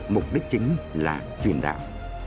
mục đích chính là truyền đạo